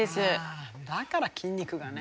だから筋肉がね。